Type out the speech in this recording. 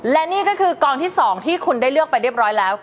และนี่ก็คือกองที่๒ที่คุณได้เลือกไปเรียบร้อยแล้ว